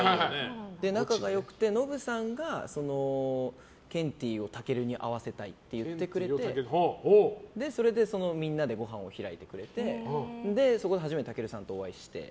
仲が良くてノブさんがケンティーを健に会わせたいって言ってくれてそれでみんなでごはんを開いてくれてそこで初めて健さんとお会いして。